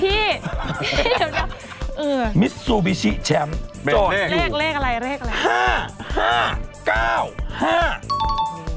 พี่เดี๋ยวมิสซูบิชิแชมป์เลขอะไร๕๕๙๕